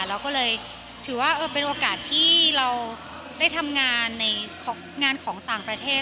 เราก็เลยถือว่าเป็นโอกาสที่เราได้ทำงานในงานของต่างประเทศ